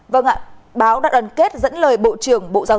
vâng ạ báo đã đoàn kết dẫn lời bộ trưởng bộ giáo dục